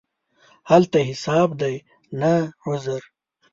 هلته حساب دی، نه عذر.